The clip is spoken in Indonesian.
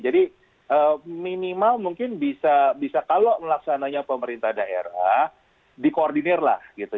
jadi minimal mungkin bisa kalau melaksananya pemerintah daerah dikoordinirlah gitu